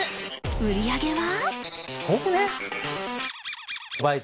売り上げは？